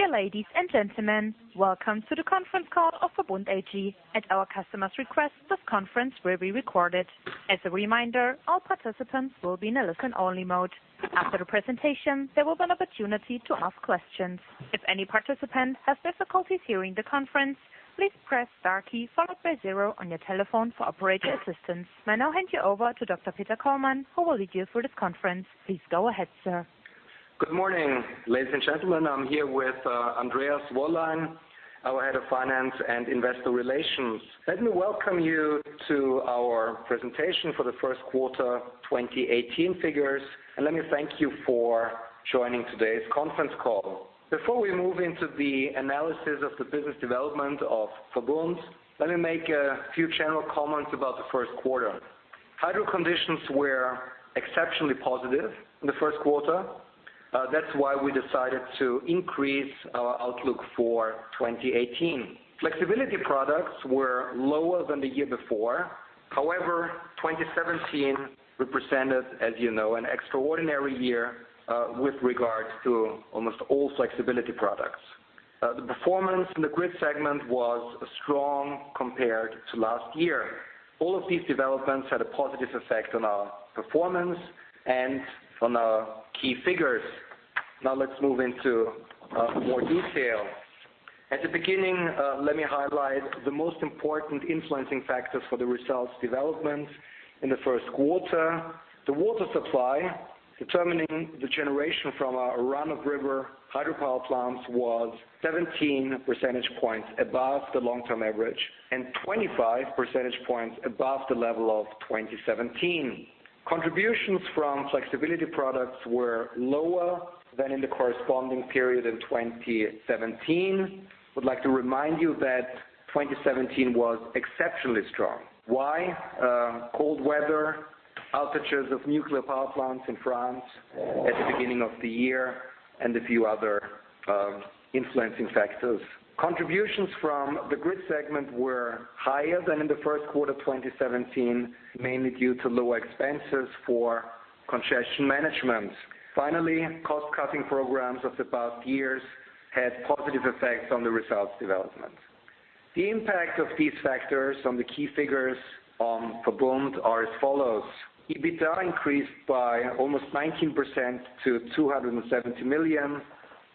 Dear ladies and gentlemen, welcome to the conference call of VERBUND AG. At our customer's request, this conference will be recorded. As a reminder, all participants will be in a listen-only mode. After the presentation, there will be an opportunity to ask questions. If any participant has difficulties hearing the conference, please press star key followed by zero on your telephone for operator assistance. May I now hand you over to Dr. Peter Kollmann, who will lead you through this conference. Please go ahead, sir. Good morning, ladies and gentlemen. I am here with Andreas Wollein, our Head of Finance and Investor Relations. Let me welcome you to our presentation for the first quarter 2018 figures, and let me thank you for joining today's conference call. Before we move into the analysis of the business development of VERBUND, let me make a few general comments about the first quarter. Hydro conditions were exceptionally positive in the first quarter. That is why we decided to increase our outlook for 2018. Flexibility products were lower than the year before. However, 2017 represented, as you know, an extraordinary year with regards to almost all flexibility products. The performance in the grid segment was strong compared to last year. All of these developments had a positive effect on our performance and on our key figures. Let us move into more detail. At the beginning, let me highlight the most important influencing factors for the results development in the first quarter. The water supply determining the generation from our run-of-river hydropower plants was 17 percentage points above the long-term average and 25 percentage points above the level of 2017. Contributions from flexibility products were lower than in the corresponding period in 2017. I would like to remind you that 2017 was exceptionally strong. Why? Cold weather, outages of nuclear power plants in France at the beginning of the year, and a few other influencing factors. Contributions from the grid segment were higher than in the first quarter 2017, mainly due to lower expenses for congestion management. Finally, cost-cutting programs of the past years had positive effects on the results development. The impact of these factors on the key figures on VERBUND are as follows. EBITDA increased by almost 19% to 270 million.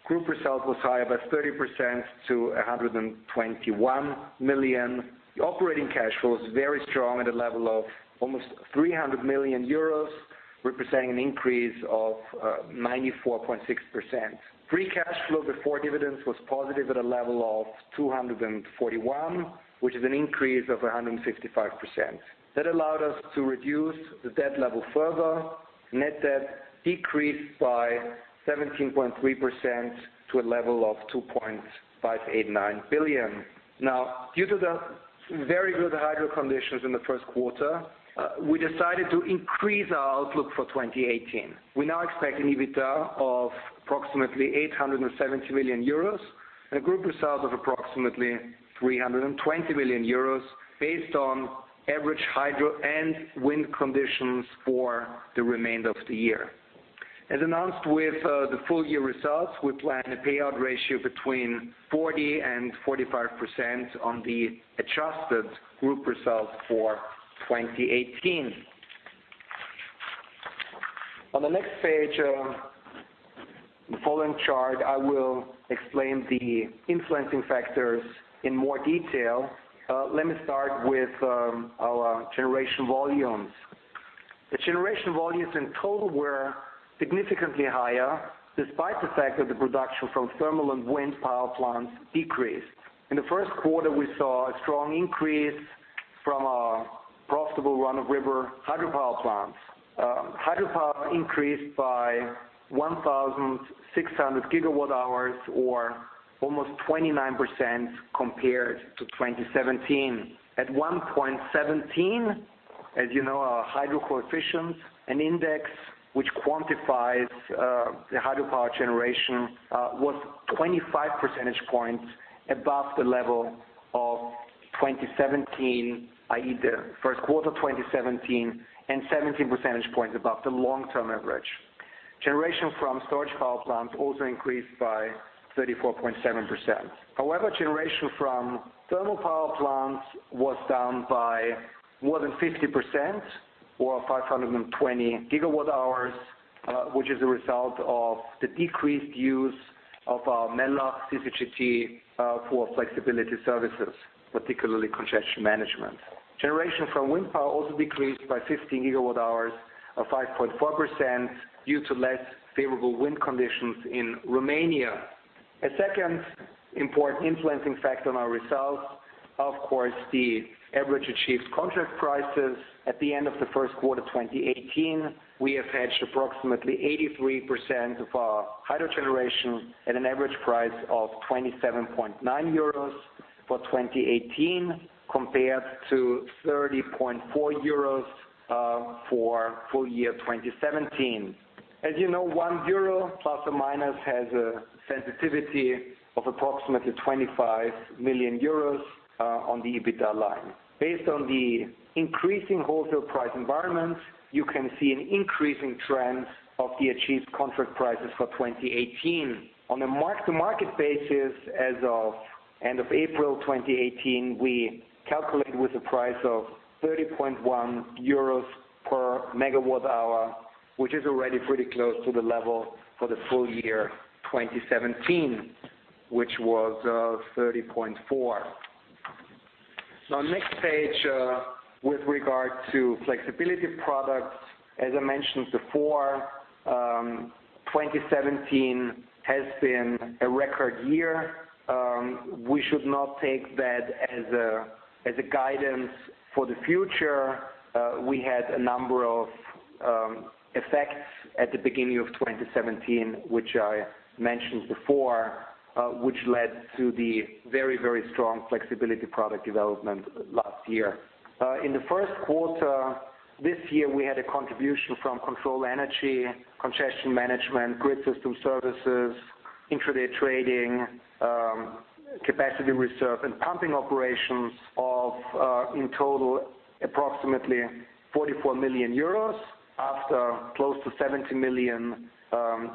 Group results was higher by 30% to 121 million. The operating cash flow is very strong at a level of almost 300 million euros, representing an increase of 94.6%. Free cash flow before dividends was positive at a level of 241 million, which is an increase of 155%. That allowed us to reduce the debt level further. Net debt decreased by 17.3% to a level of 2.589 billion. Due to the very good hydro conditions in the first quarter, we decided to increase our outlook for 2018. We now expect an EBITDA of approximately 870 million euros and a Group results of approximately 320 million euros based on average hydro and wind conditions for the remainder of the year. As announced with the full-year results, we plan a payout ratio between 40%-45% on the adjusted Group results for 2018. On the next page, the following chart, I will explain the influencing factors in more detail. Let me start with our generation volumes. The generation volumes in total were significantly higher, despite the fact that the production from thermal and wind power plants decreased. In the first quarter, we saw a strong increase from our profitable run-of-river hydropower plants. Hydropower increased by 1,600 gigawatt hours or almost 29% compared to 2017. At 1.17, as you know, our hydro coefficient, an index which quantifies the hydropower generation, was 25 percentage points above the level of 2017, i.e., the first quarter 2017, and 17 percentage points above the long-term average. Generation from storage power plants also increased by 34.7%. However, generation from thermal power plants was down by more than 50% or 520 gigawatt hours, which is a result of the decreased use of our Mellach CCGT for flexibility services, particularly congestion management. Generation from wind power also decreased by 50 gigawatt hours or 5.4% due to less favorable wind conditions in Romania. A second important influencing factor on our results, of course, the average achieved contract prices. At the end of the first quarter 2018, we have hedged approximately 83% of our hydro generation at an average price of 27.9 euros for 2018, compared to 30.4 euros for full year 2017. As you know, 1 euro plus or minus has a sensitivity of approximately 25 million euros on the EBITDA line. Based on the increasing wholesale price environment, you can see an increasing trend of the achieved contract prices for 2018. On a mark-to-market basis, as of end of April 2018, we calculated with a price of 30.1 euros per megawatt hour, which is already pretty close to the level for the full year 2017, which was 30.4. Next page, with regard to flexibility products, as I mentioned before, 2017 has been a record year. We should not take that as a guidance for the future. We had a number of effects at the beginning of 2017, which I mentioned before, which led to the very, very strong flexibility product development last year. In the first quarter this year, we had a contribution from control energy, congestion management, grid system services, intraday trading, capacity reserve, and pumping operations of, in total, approximately 44 million euros after close to 70 million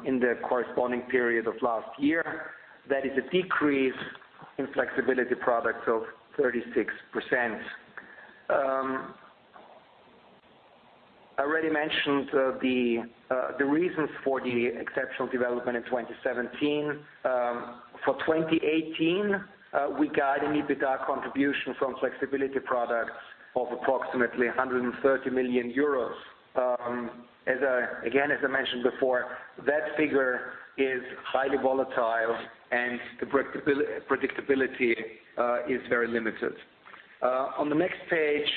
in the corresponding period of last year. That is a decrease in flexibility products of 36%. I already mentioned the reasons for the exceptional development in 2017. For 2018, we guide an EBITDA contribution from flexibility products of approximately 130 million euros. As I mentioned before, that figure is highly volatile and the predictability is very limited. On the next page,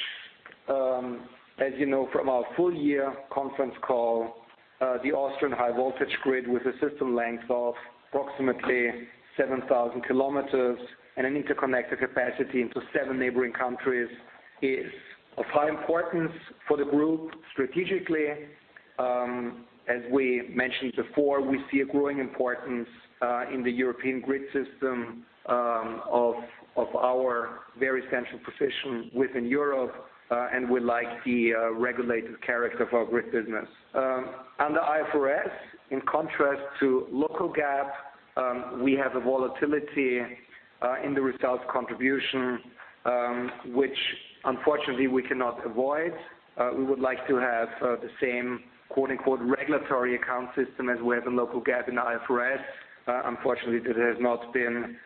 as you know from our full year conference call, the Austrian high voltage grid with a system length of approximately 7,000 km and an interconnected capacity into seven neighboring countries is of high importance for the group strategically. As we mentioned before, we see a growing importance in the European grid system of our very central position within Europe, and we like the regulated character of our grid business. Under IFRS, in contrast to local GAAP, we have a volatility in the results contribution, which unfortunately we cannot avoid. We would like to have the same, quote-unquote, regulatory account system as we have in local GAAP and IFRS. Unfortunately, that has not been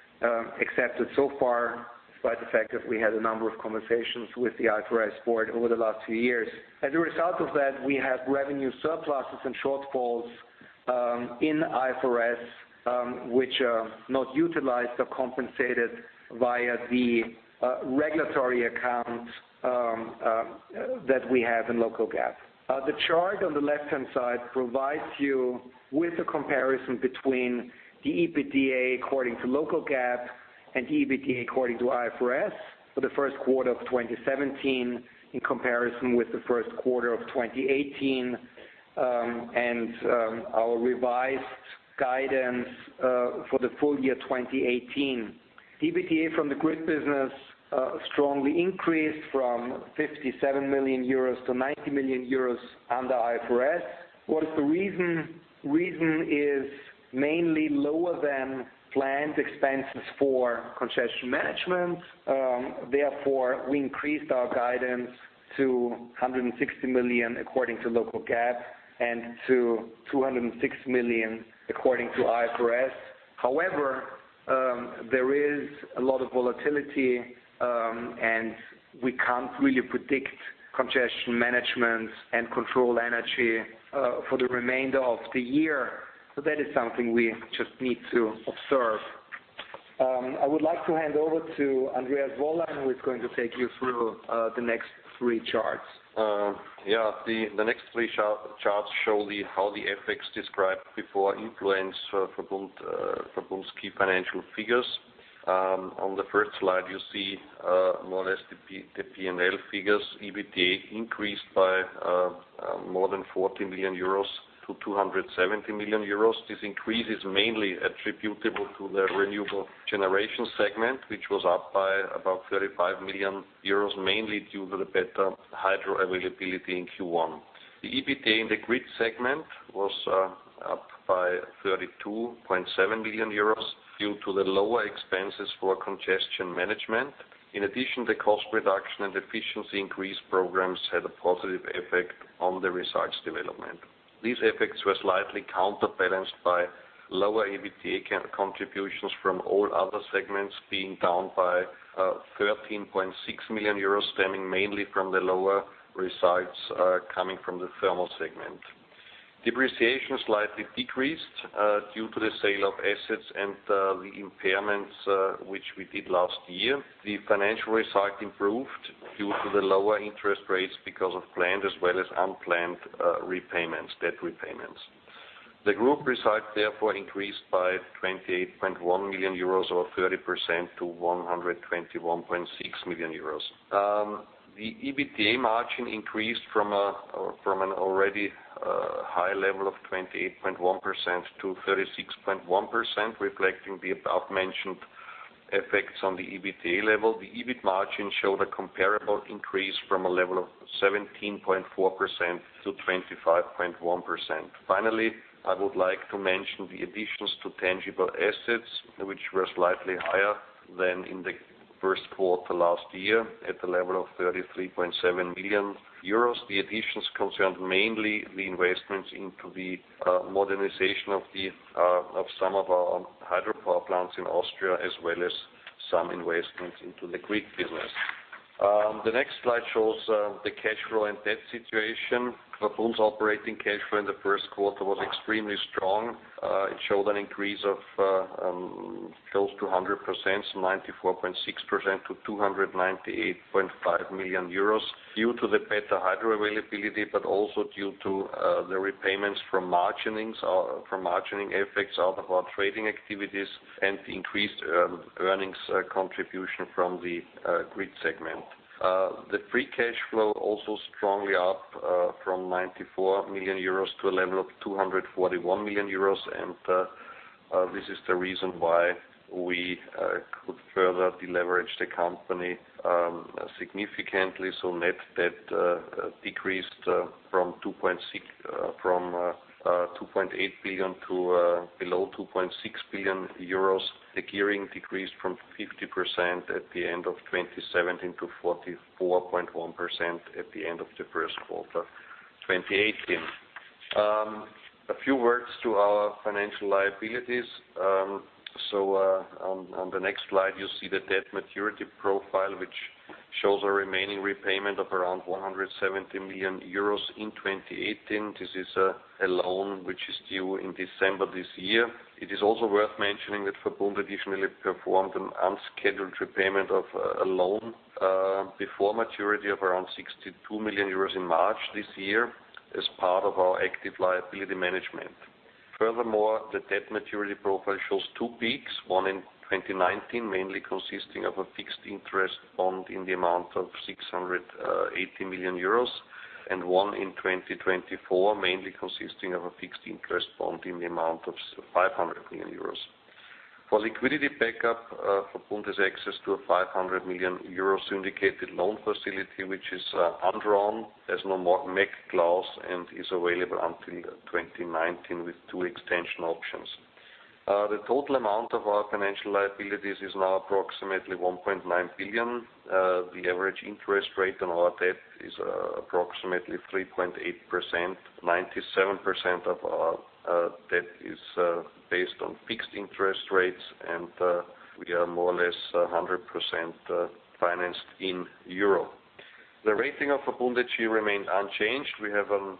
accepted so far, despite the fact that we had a number of conversations with the IFRS board over the last few years. As a result of that, we have revenue surpluses and shortfalls in IFRS, which are not utilized or compensated via the regulatory accounts that we have in local GAAP. The chart on the left-hand side provides you with a comparison between the EBITDA according to local GAAP and EBITDA according to IFRS for the first quarter of 2017 in comparison with the first quarter of 2018, and our revised guidance for the full year 2018. EBITDA from the grid business strongly increased from 57 million euros to 90 million euros under IFRS. What is the reason? Reason is mainly lower than planned expenses for congestion management. We increased our guidance to 160 million according to local GAAP and to 206 million according to IFRS. There is a lot of volatility, and we can't really predict congestion management and control energy for the remainder of the year. That is something we just need to observe. I would like to hand over to Andreas Wollein, who is going to take you through the next three charts. The next three charts show how the effects described before influence VERBUND's key financial figures. On the first slide, you see more or less the P&L figures. EBITDA increased by more than 40 million euros to 270 million euros. This increase is mainly attributable to the renewable generation segment, which was up by about 35 million euros, mainly due to the better hydro availability in Q1. The EBITDA in the grid segment was up by 32.7 million euros due to the lower expenses for congestion management. In addition, the cost reduction and efficiency increase programs had a positive effect on the results development. These effects were slightly counterbalanced by lower EBITDA contributions from all other segments being down by 13.6 million euros, stemming mainly from the lower results coming from the thermal segment. Depreciation slightly decreased due to the sale of assets and the impairments, which we did last year. The financial result improved due to the lower interest rates because of planned as well as unplanned debt repayments. The group result increased by 28.1 million euros or 30% to 121.6 million euros. The EBITDA margin increased from an already high level of 28.1% to 36.1%, reflecting the above-mentioned effects on the EBITDA level. The EBIT margin showed a comparable increase from a level of 17.4% to 25.1%. I would like to mention the additions to tangible assets, which were slightly higher than in the first quarter last year, at the level of 33.7 million euros. The additions concerned mainly the investments into the modernization of some of our hydropower plants in Austria, as well as some investments into the Greek business. The next slide shows the cash flow and debt situation. VERBUND's operating cash flow in the first quarter was extremely strong. It showed an increase of close to 100%, 94.6% to 298.5 million euros, due to the better hydro availability, due to the repayments from margining effects out of our trading activities and the increased earnings contribution from the Greek segment. The free cash flow also strongly up from 94 million euros to a level of 241 million euros. This is the reason why we could further deleverage the company significantly. Net debt decreased from 2.8 billion to below 2.6 billion euros. The gearing decreased from 50% at the end of 2017 to 44.1% at the end of the first quarter 2018. A few words to our financial liabilities. On the next slide, you see the debt maturity profile, which shows a remaining repayment of around 170 million euros in 2018. This is a loan which is due in December this year. It is also worth mentioning that VERBUND additionally performed an unscheduled repayment of a loan before maturity of around 62 million euros in March this year as part of our active liability management. Furthermore, the debt maturity profile shows two peaks, one in 2019, mainly consisting of a fixed interest bond in the amount of 680 million euros, and one in 2024, mainly consisting of a fixed interest bond in the amount of 500 million euros. For liquidity backup, VERBUND has access to a 500 million euro syndicated loan facility, which is undrawn, has no MAC clause, and is available until 2019 with two extension options. The total amount of our financial liabilities is now approximately 1.9 billion. The average interest rate on our debt is approximately 3.8%. 97% of our debt is based on fixed interest rates. We are more or less 100% financed in EUR. The rating of VERBUND AG remained unchanged. We have a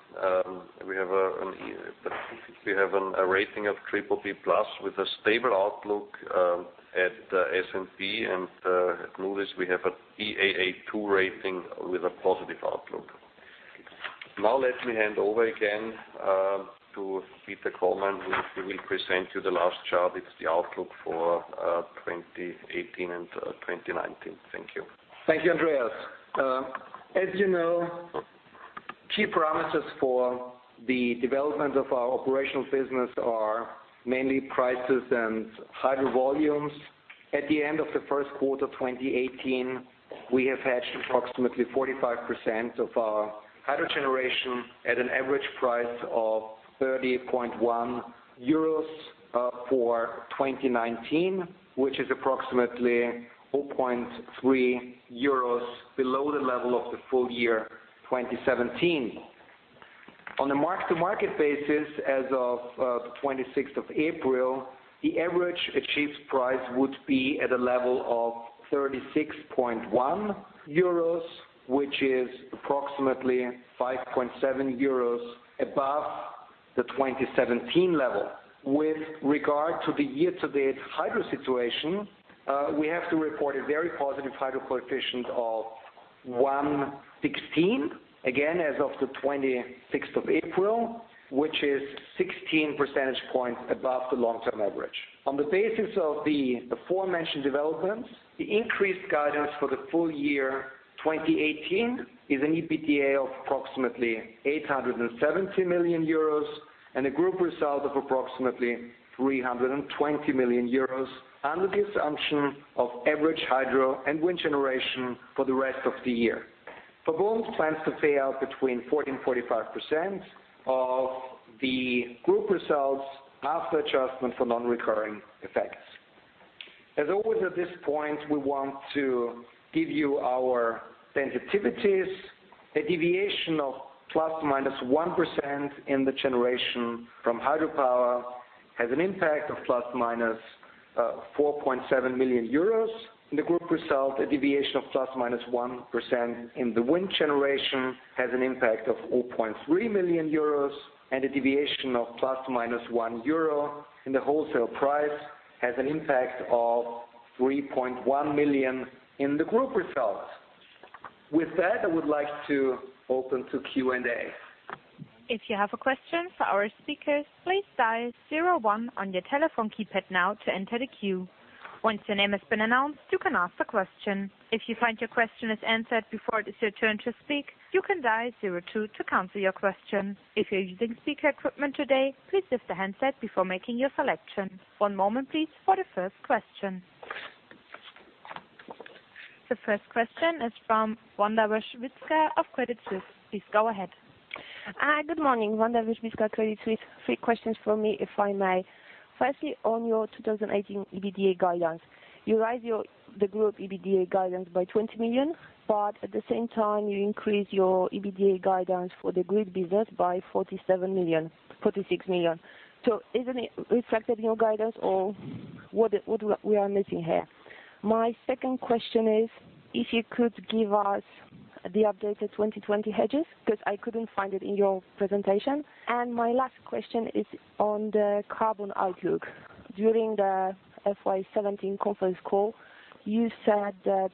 rating of BBB+ with a stable outlook at S&P. At Moody's we have a Baa2 rating with a positive outlook. Let me hand over again to Peter Kollmann, who will present you the last chart. It's the outlook for 2018 and 2019. Thank you. Thank you, Andreas. As you know, key parameters for the development of our operational business are mainly prices and hydro volumes. At the end of the first quarter 2018, we have hedged approximately 45% of our hydro generation at an average price of 30.1 euros for 2019, which is approximately 0.3 euros below the level of the full year 2017. On a mark-to-market basis, as of the 26th of April, the average achieved price would be at a level of 36.1 euros, which is approximately 5.7 euros above the 2017 level. With regard to the year-to-date hydro situation, we have to report a very positive hydro coefficient of 116%, again, as of the 26th of April, which is 16 percentage points above the long-term average. On the basis of the aforementioned developments, the increased guidance for the full year 2018 is an EBITDA of approximately 870 million euros and a group result of approximately 320 million euros under the assumption of average hydro and wind generation for the rest of the year. VERBUND plans to pay out between 40%-45% of the group results after adjustment for non-recurring effects. As always at this point, we want to give you our sensitivities. A deviation of ±1% in the generation from hydropower has an impact of ±4.7 million euros in the group result. A deviation of ±1% in the wind generation has an impact of 0.3 million euros, and a deviation of ±1 euro in the wholesale price has an impact of 3.1 million in the group results. With that, I would like to open to Q&A. If you have a question for our speakers, please dial 01 on your telephone keypad now to enter the queue. Once your name has been announced, you can ask the question. If you find your question is answered before it is your turn to speak, you can dial 02 to cancel your question. If you are using speaker equipment today, please lift the handset before making your selection. One moment please for the first question. The first question is from Wanda Serwinowska of Credit Suisse. Please go ahead. Good morning, Wanda Serwinowska, Credit Suisse. Three questions from me, if I may. Firstly, on your 2018 EBITDA guidance, you raise the group EBITDA guidance by 20 million, but at the same time, you increase your EBITDA guidance for the grid business by 46 million. So isn't it reflected in your guidance or what are we missing here? My second question is, if you could give us the updated 2020 hedges, because I couldn't find it in your presentation. My last question is on the carbon outlook. During the FY 2017 conference call, you said that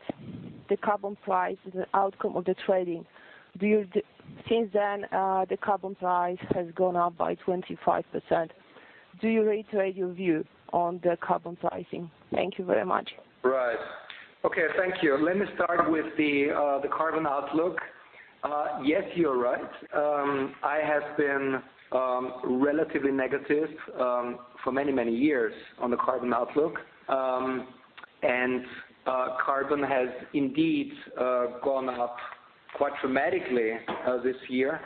the carbon price is an outcome of the trading. Since then, the carbon price has gone up by 25%. Do you reiterate your view on the carbon pricing? Thank you very much. Right. Okay. Thank you. Let me start with the carbon outlook. Yes, you are right. I have been relatively negative for many, many years on the carbon outlook. Carbon has indeed gone up quite dramatically this year.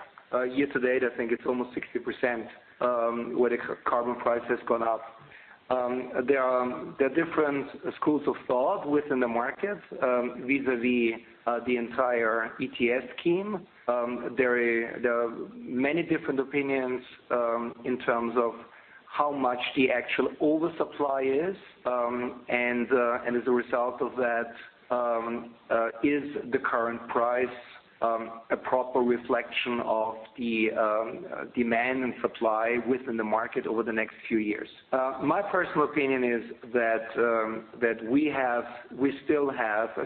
Year to date, I think it is almost 60%, where the carbon price has gone up. There are different schools of thought within the market vis-a-vis the entire ETS scheme. There are many different opinions in terms of how much the actual oversupply is, and as a result of that, is the current price a proper reflection of the demand and supply within the market over the next few years? My personal opinion is that we still have a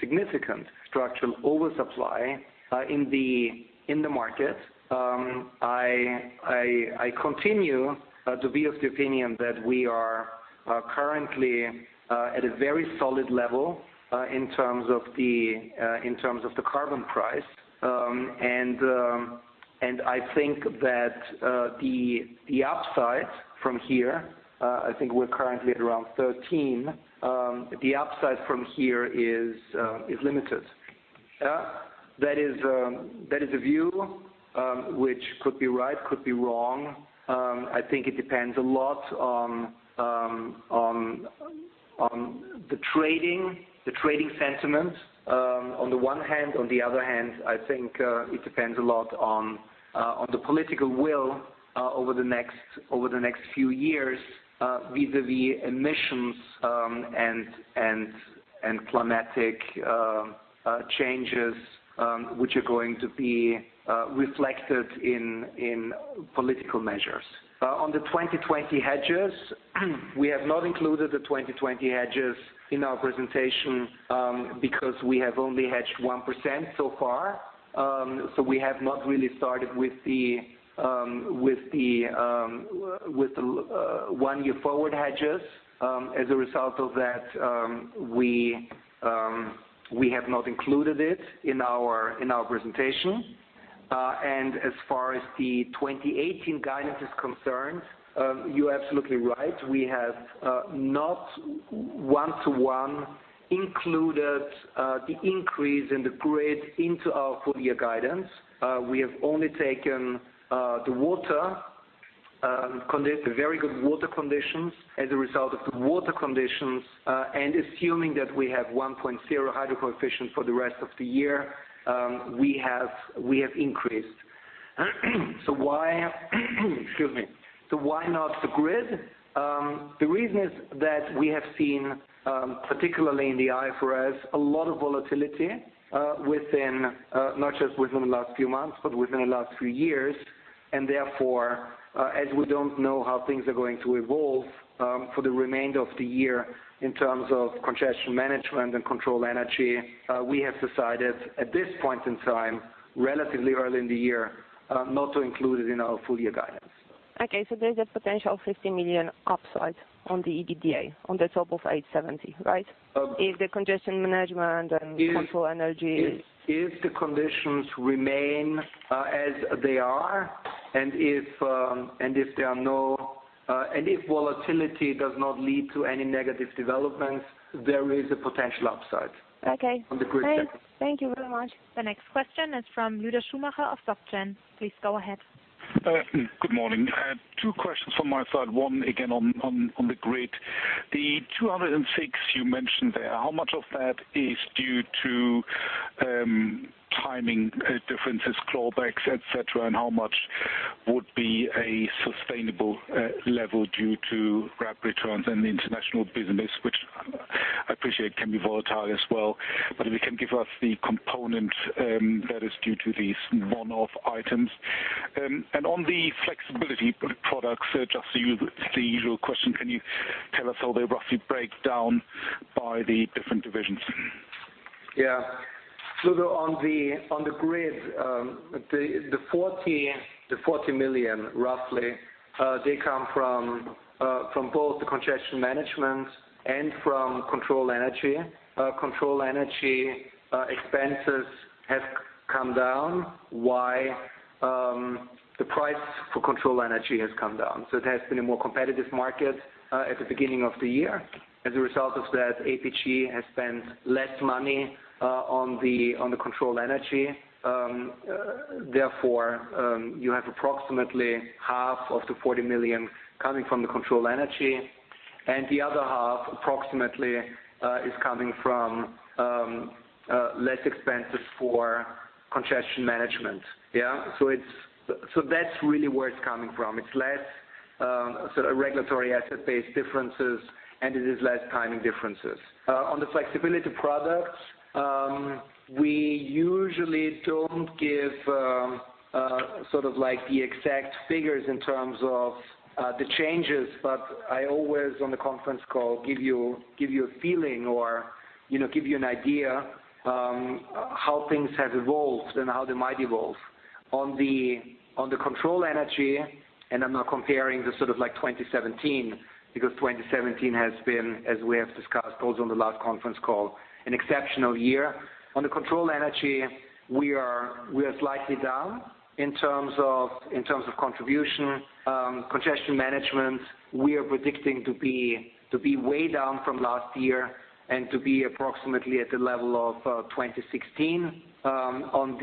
significant structural oversupply in the market. I continue to be of the opinion that we are currently at a very solid level in terms of the carbon price. I think that the upside from here, I think we're currently at around 13, the upside from here is limited. That is a view which could be right, could be wrong. I think it depends a lot on the trading sentiment, on the one hand. The other hand, I think it depends a lot on the political will over the next few years vis-a-vis emissions and climatic changes, which are going to be reflected in political measures. The 2020 hedges, we have not included the 2020 hedges in our presentation because we have only hedged 1% so far. We have not really started with the one-year forward hedges. As a result of that, we have not included it in our presentation. As far as the 2018 guidance is concerned, you're absolutely right. We have not one-to-one included the increase in the grid into our full-year guidance. We have only taken the very good water conditions. As a result of the water conditions, assuming that we have 1.0 hydro coefficient for the rest of the year, we have increased. Excuse me. Why not the grid? The reason is that we have seen, particularly in the IFRS, a lot of volatility, not just within the last few months, but within the last few years. Therefore, as we don't know how things are going to evolve for the remainder of the year in terms of congestion management and control energy, we have decided at this point in time, relatively early in the year, not to include it in our full-year guidance. Okay, there's a potential 50 million upside on the EBITDA on the top of 870, right? If the congestion management and control energy. If the conditions remain as they are, if volatility does not lead to any negative developments, there is a potential upside. Okay on the grid sector. Thank you very much. The next question is from Lueder Schumacher of SocGen. Please go ahead. Good morning. Two questions from my side. One again on the grid. The 206 you mentioned there, how much of that is due to timing differences, clawbacks, et cetera, and how much would be a sustainable level due to RAB returns and the international business, which I appreciate can be volatile as well. If you can give us the component that is due to these one-off items. On the flexibility products, just the usual question, can you tell us how they roughly break down by the different divisions? On the grid, the 40 million, roughly, they come from both the congestion management and from control energy. Control energy expenses have come down. Why? The price for control energy has come down. It has been a more competitive market at the beginning of the year. As a result of that, APG has spent less money on the control energy. Therefore, you have approximately half of the 40 million coming from the control energy, and the other half, approximately, is coming from less expenses for congestion management. That's really where it's coming from. It's less Regulatory Asset Base-based differences, and it is less timing differences. On the flexibility products, we usually don't give the exact figures in terms of the changes, but I always, on the conference call, give you a feeling or give you an idea how things have evolved and how they might evolve. On the control energy, I'm now comparing to 2017, because 2017 has been, as we have discussed also on the last conference call, an exceptional year. On the control energy, we are slightly down in terms of contribution. Congestion management, we are predicting to be way down from last year and to be approximately at the level of 2016. On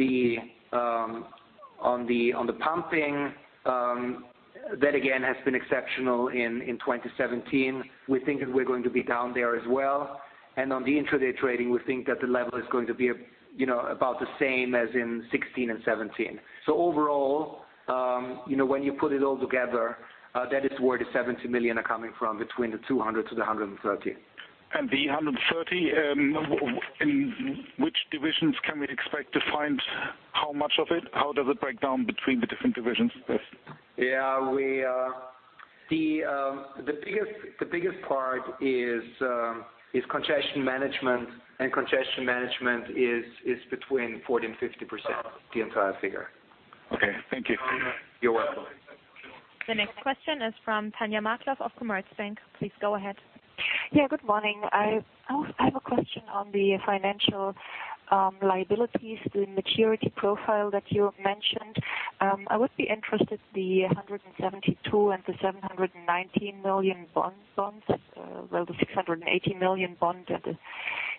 the pumping, that again has been exceptional in 2017. We think that we're going to be down there as well. On the intraday trading, we think that the level is going to be about the same as in 2016 and 2017. Overall, when you put it all together, that is where the 70 million are coming from, between the 200 to the 130. The 130, in which divisions can we expect to find how much of it? How does it break down between the different divisions? The biggest part is congestion management, and congestion management is between 40%-50% of the entire figure. Okay. Thank you. You're welcome. The next question is from Tanja Markart of Commerzbank. Please go ahead. Good morning. I have a question on the financial liabilities, the maturity profile that you mentioned. I would be interested, the 172 million and the 719 million bonds, well, the 680 million bond and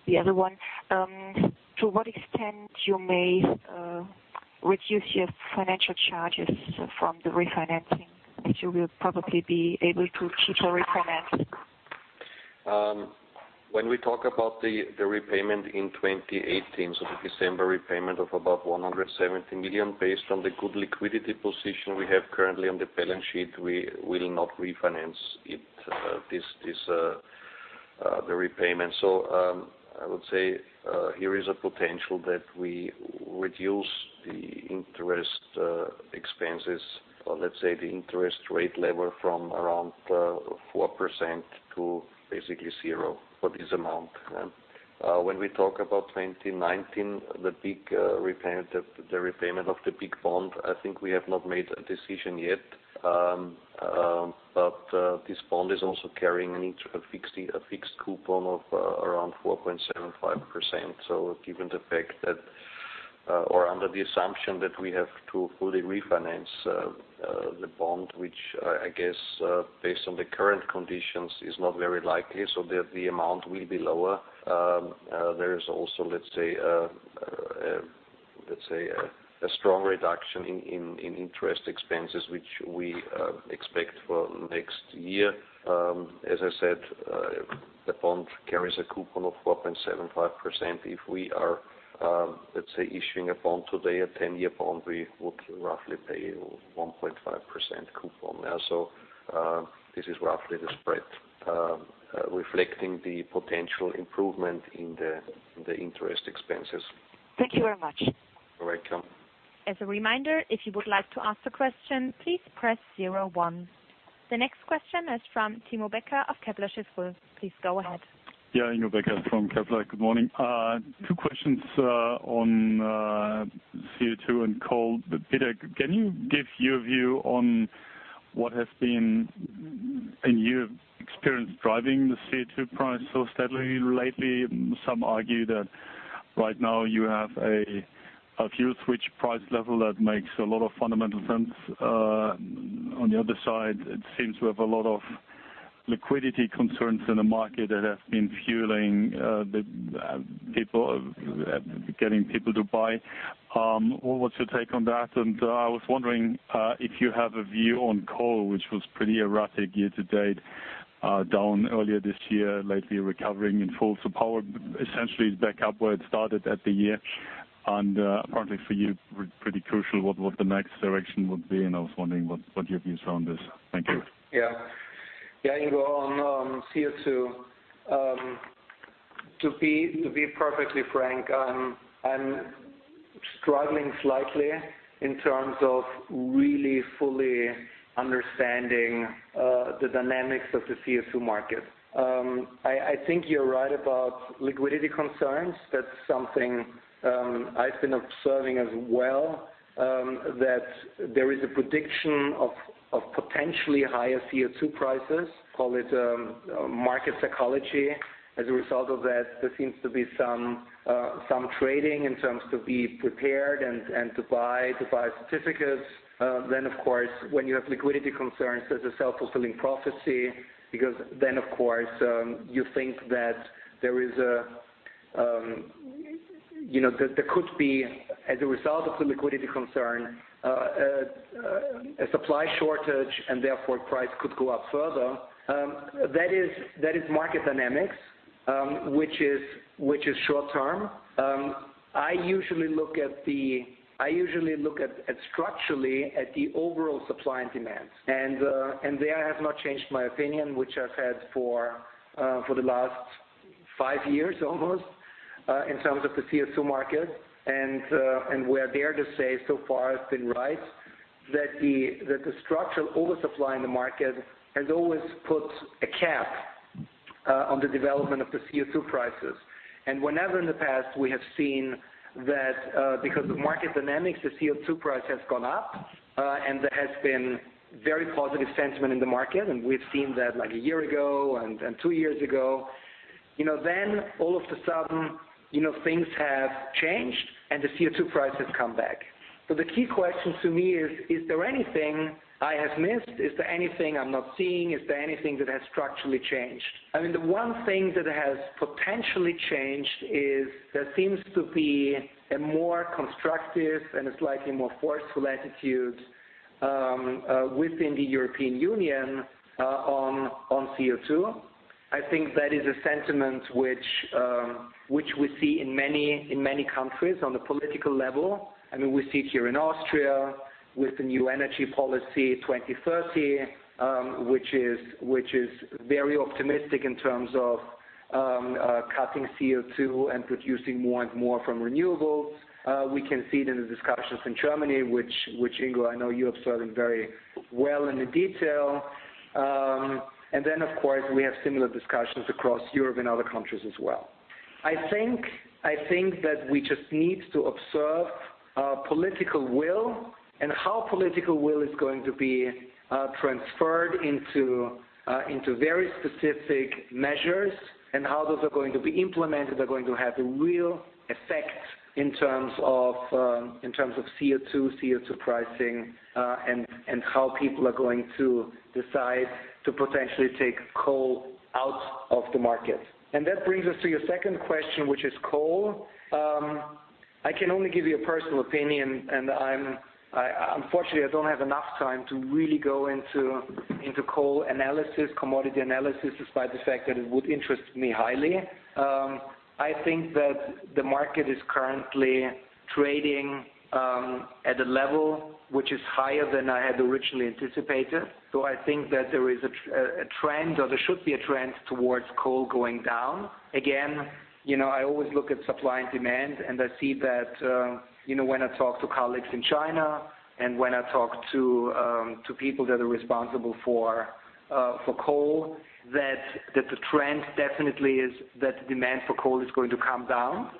the other one, to what extent you may reduce your financial charges from the refinancing that you will probably be able to keep or refinance? When we talk about the repayment in 2018, so the December repayment of about 170 million, based on the good liquidity position we have currently on the balance sheet, we will not refinance the repayment. I would say, here is a potential that we reduce the interest expenses, or let's say the interest rate level from around 4% to basically zero for this amount. When we talk about 2019, the repayment of the big bond, I think we have not made a decision yet. This bond is also carrying a fixed coupon of around 4.75%. Given the fact that, or under the assumption that we have to fully refinance the bond, which I guess based on the current conditions is not very likely, so the amount will be lower. There is also, let's say, a strong reduction in interest expenses, which we expect for next year. As I said, the bond carries a coupon of 4.75%. If we are, let's say, issuing a bond today, a 10-year bond, we would roughly pay 1.5% coupon. This is roughly the spread, reflecting the potential improvement in the interest expenses. Thank you very much. You're welcome. As a reminder, if you would like to ask a question, please press zero one. The next question is from Ingo Becker of Kepler Cheuvreux. Please go ahead. Yeah, Ingo Becker from Kepler. Good morning. Two questions on CO2 and coal. Peter, can you give your view on what has been in your experience driving the CO2 price so steadily lately? Some argue that right now you have a fuel switch price level that makes a lot of fundamental sense. On the other side, it seems to have a lot of liquidity concerns in the market that have been fueling getting people to buy. What's your take on that? I was wondering if you have a view on coal, which was pretty erratic year to date, down earlier this year, lately recovering in full. Power essentially is back up where it started at the year, and apparently for you, pretty crucial what the next direction would be, and I was wondering what your views are on this. Thank you. Yeah. Ingo, on CO2. To be perfectly frank, I'm struggling slightly in terms of really fully understanding the dynamics of the CO2 market. I think you're right about liquidity concerns. That's something I've been observing as well, that there is a prediction of potentially higher CO2 prices, call it market psychology. As a result of that, there seems to be some trading in terms to be prepared and to buy certificates. Of course, when you have liquidity concerns, there's a self-fulfilling prophecy, because then, of course, you think that there could be, as a result of the liquidity concern, a supply shortage, and therefore price could go up further. That is market dynamics, which is short-term. I usually look structurally at the overall supply and demand. There I have not changed my opinion, which I've had for the last five years almost, in terms of the CO2 market, and where dare to say so far it's been right, that the structural oversupply in the market has always put a cap on the development of the CO2 prices. Whenever in the past we have seen that because of market dynamics, the CO2 price has gone up, and there has been very positive sentiment in the market, and we've seen that a year ago and two years ago. All of a sudden, things have changed and the CO2 price has come back. The key question to me is there anything I have missed? Is there anything I'm not seeing? Is there anything that has structurally changed? The one thing that has potentially changed is there seems to be a more constructive and a slightly more forceful attitude within the European Union on CO2. I think that is a sentiment which we see in many countries on the political level. We see it here in Austria with the new energy policy 2030, which is very optimistic in terms of cutting CO2 and producing more and more from renewables. We can see it in the discussions in Germany, which Ingo, I know you observe it very well in the detail. Then, of course, we have similar discussions across Europe and other countries as well. I think that we just need to observe political will and how political will is going to be transferred into very specific measures and how those are going to be implemented are going to have a real effect in terms of CO2 pricing, and how people are going to decide to potentially take coal out of the market. That brings us to your second question, which is coal. I can only give you a personal opinion, and unfortunately, I don't have enough time to really go into coal analysis, commodity analysis, despite the fact that it would interest me highly. I think that the market is currently trading at a level which is higher than I had originally anticipated. I think that there is a trend or there should be a trend towards coal going down. Again, I always look at supply and demand, I see that, when I talk to colleagues in China and when I talk to people that are responsible for coal, that the trend definitely is that demand for coal is going to come down.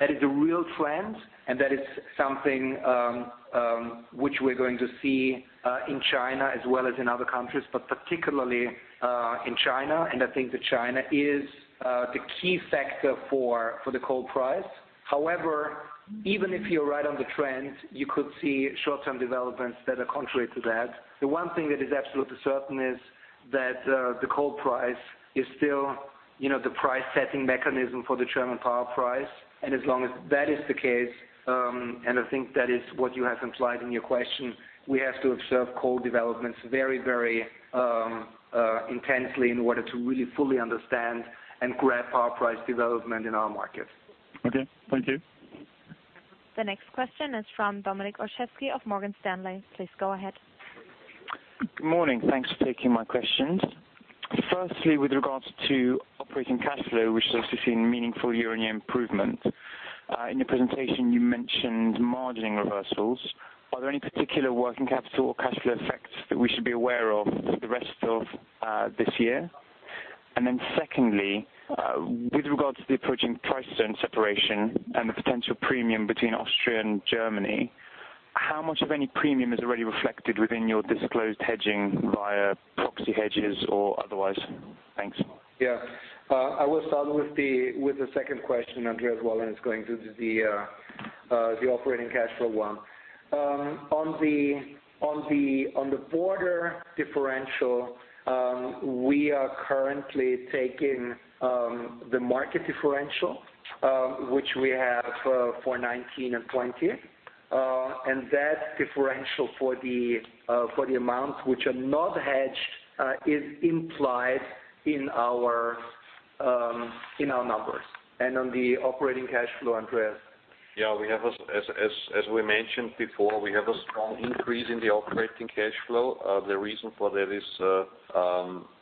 That is a real trend and that is something which we are going to see in China as well as in other countries, but particularly in China. I think that China is the key factor for the coal price. However, even if you're right on the trend, you could see short-term developments that are contrary to that. The one thing that is absolutely certain is that the coal price is still the price-setting mechanism for the German power price. As long as that is the case, and I think that is what you have implied in your question, we have to observe coal developments very intensely in order to really fully understand and grab our price development in our market. Okay. Thank you. The next question is from Dominik Olszewski of Morgan Stanley. Please go ahead. Good morning. Thanks for taking my questions. Firstly, with regards to operating cash flow, which has seen meaningful year-on-year improvement. In your presentation, you mentioned margining reversals. Are there any particular working capital or cash flow effects that we should be aware of for the rest of this year? Secondly, with regards to the approaching price zone separation and the potential premium between Austria and Germany, how much of any premium is already reflected within your disclosed hedging via proxy hedges or otherwise? Thanks. I will start with the second question, Andreas, while it's going to the operating cash flow one. On the border differential, we are currently taking the market differential, which we have for 2019 and 2020. That differential for the amounts which are not hedged is implied in our numbers. On the operating cash flow, Andreas As we mentioned before, we have a strong increase in the operating cash flow. The reason for that is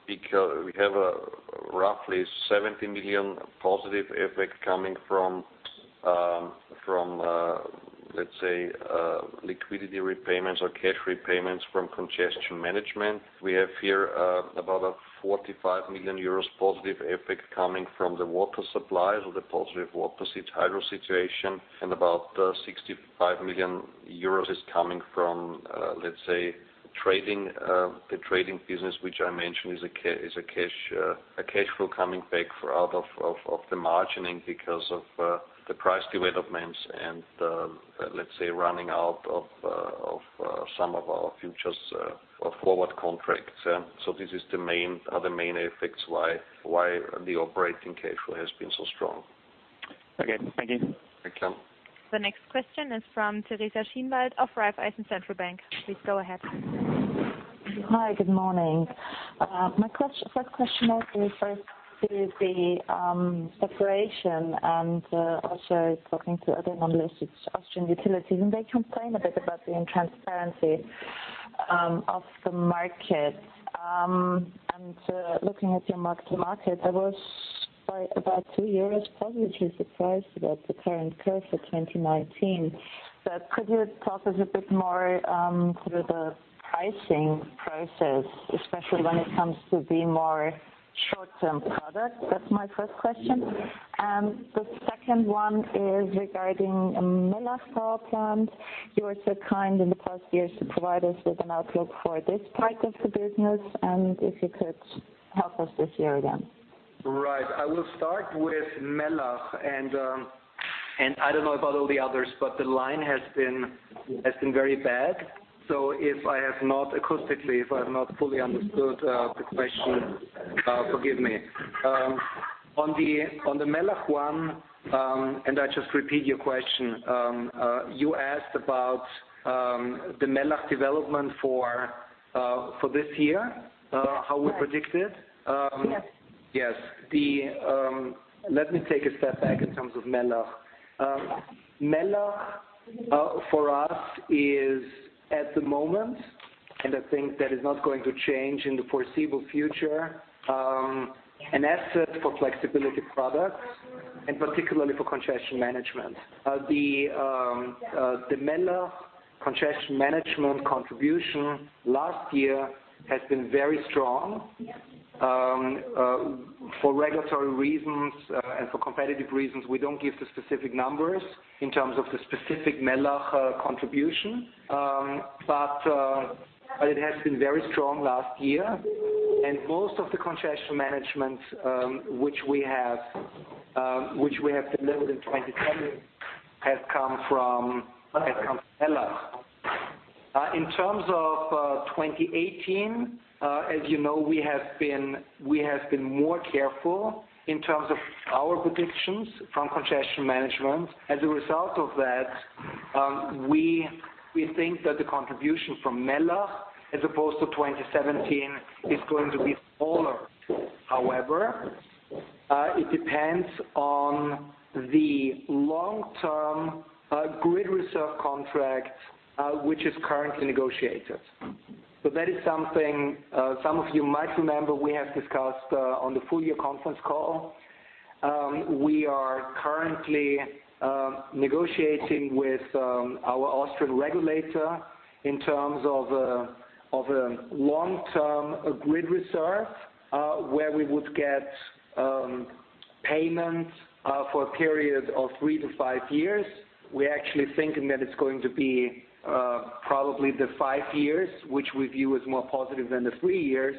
because we have a roughly 70 million positive effect coming from, let's say, liquidity repayments or cash repayments from congestion management. We have here about a 45 million euros positive effect coming from the water supply, so the positive hydropower situation, and about 65 million euros is coming from, let's say, the trading business, which I mentioned is a cash flow coming back out of the margining because of the price developments and, let's say, running out of some of our futures or forward contracts. This is the main effects why the operating cash flow has been so strong. Okay. Thank you. Thank you. The next question is from Teresa Schinwald of Raiffeisen Centrobank. Please go ahead. Hi. Good morning. My first question also refers to the separation and also talking to other non-listed Austrian utilities, they complain a bit about the transparency of the market. Looking at your mark-to-market, I was by about 2 euros positively surprised about the current curve for 2019. Could you talk us a bit more through the pricing process, especially when it comes to the more short-term product? That's my first question. The second one is regarding Mellach Power Plant. You were so kind in the past years to provide us with an outlook for this part of the business, and if you could help us this year again. Right. I will start with Mellach and I don't know about all the others, but the line has been very bad. If I have not acoustically, if I have not fully understood the question, forgive me. On the Mellach one, I just repeat your question, you asked about the Mellach development for this year, how we predict it? Yes. Yes. Let me take a step back in terms of Mellach. Mellach for us is at the moment, and I think that is not going to change in the foreseeable future, an asset for flexibility products and particularly for congestion management. The Mellach congestion management contribution last year has been very strong. For regulatory reasons and for competitive reasons, we don't give the specific numbers in terms of the specific Mellach contribution. It has been very strong last year, and most of the congestion management which we have delivered in 2017 has come from Mellach. In terms of 2018, as you know, we have been more careful in terms of our predictions from congestion management. As a result of that, we think that the contribution from Mellach as opposed to 2017 is going to be smaller. However, it depends on the long-term grid reserve contract, which is currently negotiated. That is something some of you might remember we have discussed on the full-year conference call. We are currently negotiating with our Austrian regulator in terms of a long-term grid reserve, where we would get payments for a period of three to five years. We're actually thinking that it's going to be probably the five years, which we view as more positive than the three years.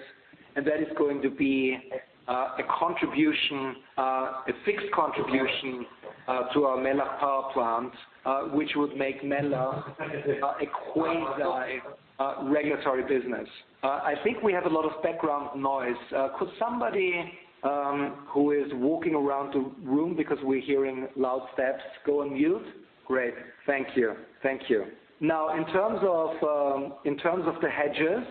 That is going to be a fixed contribution to our Mellach Power Plant, which would make Mellach a quasi-regulatory business. I think we have a lot of background noise. Could somebody who is walking around the room, because we're hearing loud steps, go on mute? Great. Thank you. Now, in terms of the hedges,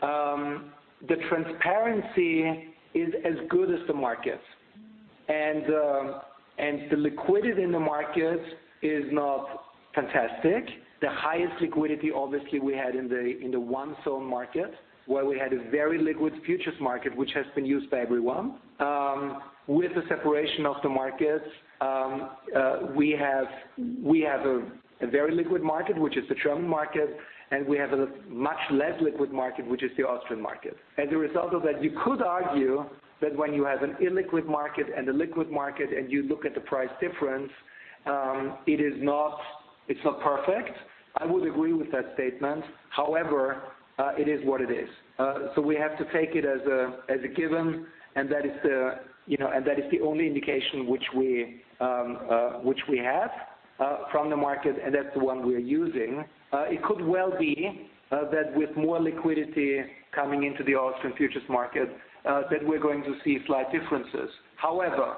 the transparency is as good as the markets. The liquidity in the market is not fantastic. The highest liquidity obviously we had in the one zone market, where we had a very liquid futures market, which has been used by everyone. With the separation of the markets, we have a very liquid market, which is the German market, and we have a much less liquid market, which is the Austrian market. As a result of that, you could argue that when you have an illiquid market and a liquid market and you look at the price difference, it's not perfect. I would agree with that statement. However, it is what it is. We have to take it as a given, and that is the only indication which we have from the market, and that's the one we're using. It could well be that with more liquidity coming into the Austrian futures market, that we're going to see slight differences. However,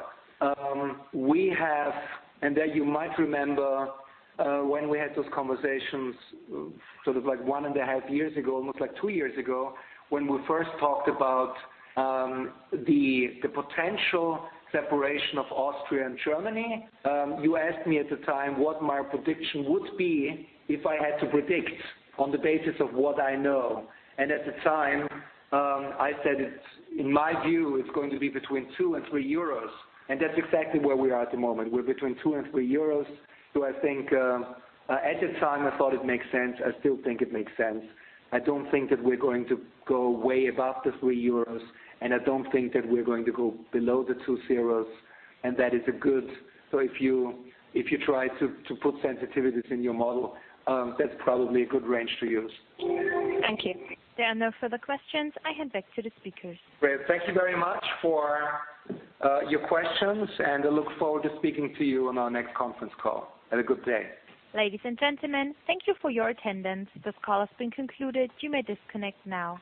we have, and that you might remember when we had those conversations sort of like one and a half years ago, almost like two years ago, when we first talked about the potential separation of Austria and Germany. You asked me at the time what my prediction would be if I had to predict on the basis of what I know. At the time, I said, in my view, it's going to be between EUR two and EUR three. That's exactly where we are at the moment. We're between EUR two and EUR three. I think at the time I thought it makes sense. I still think it makes sense. I don't think that we're going to go way above the EUR three, and I don't think that we're going to go below the EUR two. If you try to put sensitivities in your model, that's probably a good range to use. Thank you. There are no further questions. I hand back to the speakers. Great. Thank you very much for your questions, and I look forward to speaking to you on our next conference call. Have a good day. Ladies and gentlemen, thank you for your attendance. This call has been concluded. You may disconnect now.